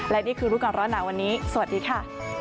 และนี่คือรู้ก่อนร้อนหนาวันนี้สวัสดีค่ะ